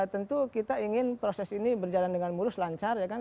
tentu kita ingin proses ini berjalan dengan mulus lancar ya kan